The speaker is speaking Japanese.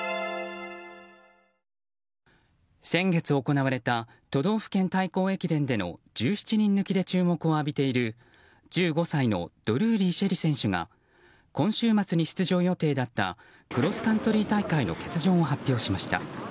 先月行われた都道府県対抗駅伝での１７人抜きで注目を浴びている１５歳のドルーリー朱瑛里選手が今週末に出場予定だったクロスカントリー大会の欠場を発表しました。